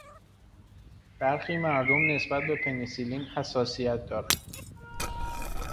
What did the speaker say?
برخی مردم نسبت به پنی سیلین حساسیت دارند.